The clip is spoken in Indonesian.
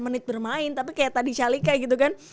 menit bermain tapi kayak tadi shalika gitu kan